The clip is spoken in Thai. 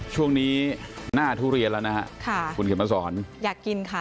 ช่วงนี้หน้าทุเรียนแล้วนะฮะค่ะคุณเขียนมาสอนอยากกินค่ะ